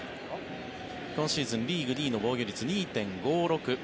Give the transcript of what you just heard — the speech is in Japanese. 今シーズンリーグ２位の防御率２．５６。